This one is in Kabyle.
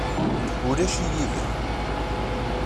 Ulac-iyi da.